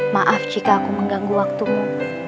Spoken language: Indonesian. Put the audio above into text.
maaf jika aku mengganggu waktumu